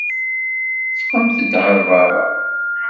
Ffɣemt-d ar beṛṛa!